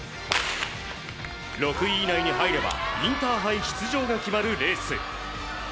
６位以内に入ればインターハイ出場が決まるレース。